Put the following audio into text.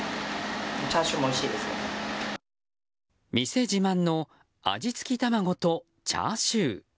店自慢の味付き卵とチャーシュー。